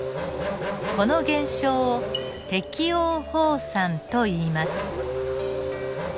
この現象を適応放散といいます。